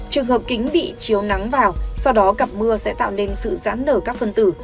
trường hợp kính bị chiếu nắng vào sau đó cặp mưa sẽ tạo nên sự giãn nở các phân tử